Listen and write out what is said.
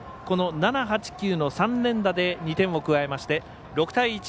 この７、８、９の３連打で２点を加えまして、６対１。